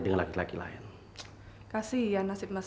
di dialog kamar kita urut better than deliciousbags